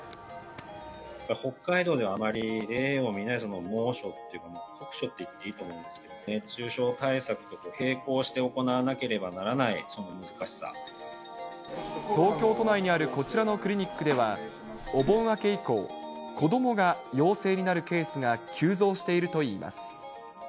北海道ではあまり例を見ない猛暑というか、酷暑と言っていいと思うんですが、熱中症対策と並行して行わなけれ東京都内にあるこちらのクリニックでは、お盆明け以降、子どもが陽性になるケースが急増しているといいます。